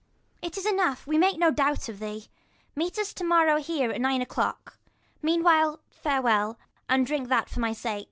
60 Ragan. It is enough, we make no doubt of thee : Meet us tomorrow here, at nine o'clock : Meanwhile, farewell, and drink that for my sake.